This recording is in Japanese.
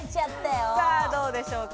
さぁ、どうでしょうか？